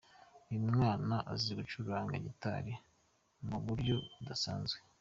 Uyu mwana azi gucuranga gitari mu buryo budasanzwe.